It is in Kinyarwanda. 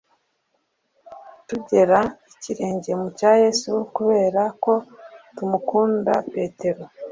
Tugera ikirenge mu cya Yesu kubera ko tumukunda Petero